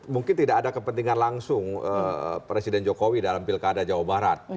mungkin tidak ada kepentingan langsung presiden jokowi dalam pilkada jawa barat